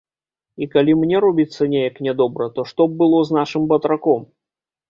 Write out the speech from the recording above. І калі мне робіцца неяк нядобра, то што б было з нашым батраком?